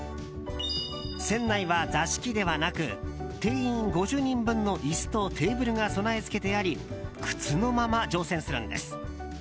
船内は座敷ではなく定員５０人分の椅子とテーブルが備え付けてあり靴のまま乗船するんです。